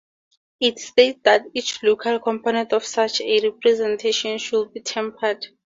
It states that each local component of such a representation should be tempered.